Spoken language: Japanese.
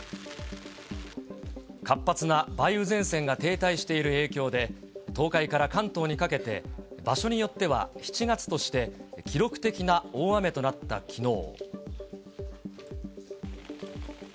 活発な梅雨前線が停滞している影響で、東海から関東にかけて、場所によっては７月として記録的な大雨となったきのう。